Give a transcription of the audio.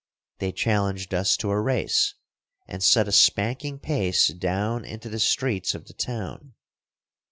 They challenged us to a race, and set a spanking pace down into the streets of the town.